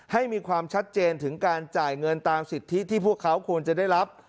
ให้มีความชัดเจนถึงการจ่ายเงินตามสิทธิที่พวกเขาควรจะได้รับ